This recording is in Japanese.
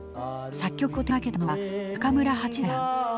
作曲を手がけたのは中村八大さん。